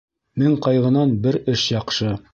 Мең ҡайғынан бер эш яҡшы.